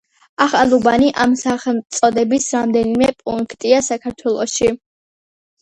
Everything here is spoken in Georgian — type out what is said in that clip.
ახალუბანი, ამ სახელწოდების რამდენიმე პუნქტია საქართველოში.